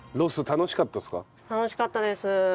楽しかったです。